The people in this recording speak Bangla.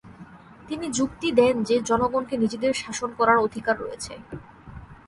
তিনি যুক্তি দেন যে জনগণকে নিজেদের শাসন করার অধিকার রয়েছে।